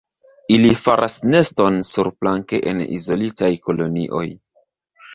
Ili faras neston surplanke en izolitaj kolonioj.